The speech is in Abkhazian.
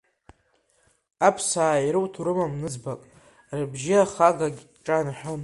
Аԥсаа ируҭо рымам ныӡбак, рыбжьы ахагагь дҿанаҳәон.